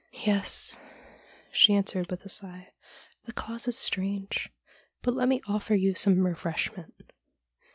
'Yes,' she answered with a sigh, 'the cause is strange. But let me offer you some refreshment.'